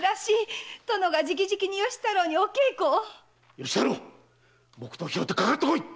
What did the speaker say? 吉太郎木刀を拾ってかかってこい。